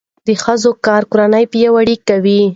د ښځو کار کورنۍ پیاوړې کوي.